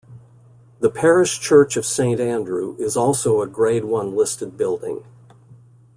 The parish church of Saint Andrew is also a Grade One listed building.